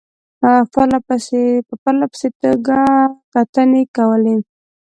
پرله پسې توګه کتنې کولې.